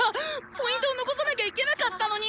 Ｐを残さなきゃいけなかったのに！